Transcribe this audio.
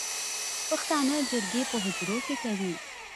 پښتانه جرګې په حجرو کې کوي